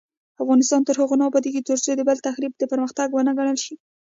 افغانستان تر هغو نه ابادیږي، ترڅو د بل تخریب پرمختګ ونه ګڼل شي.